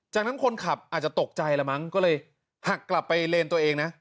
จากนั้นคนขับอาจจะตกใจละมั้งก็เลยหักกลับไปเลนตัวเองนะ